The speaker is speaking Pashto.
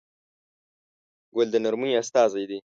ګل د نرمۍ استازی دی.